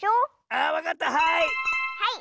あわかったはい！